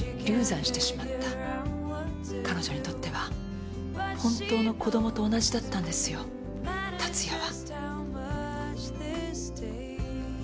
彼女にとっては本当の子供と同じだったんですよ達也は。